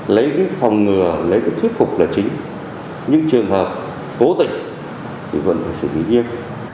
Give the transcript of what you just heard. lấy cái phòng ngừa lấy cái thuyết phục là chính nhưng trường hợp tố tình thì vẫn phải sử dụng nghiêm